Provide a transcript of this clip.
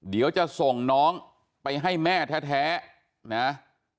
เดี๋ยวจะส่งน้องไปให้แม่แท้นะ